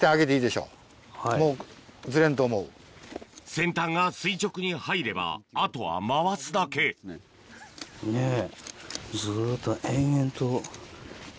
先端が垂直に入ればあとは回すだけずっと。